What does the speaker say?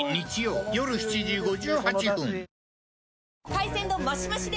海鮮丼マシマシで！